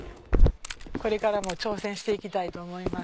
これからも挑戦していきたいと思います。